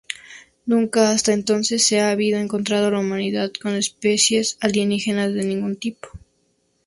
Nunca hasta entonces se había encontrado la humanidad con especies alienígenas de ningún tipo.